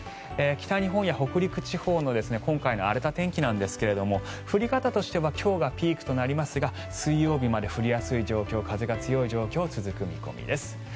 北日本や北陸地方の今回の荒れた天気ですが降り方としては今日がピークとなりますが水曜日まで降りやすい状況風が強い状況が続く見込みです。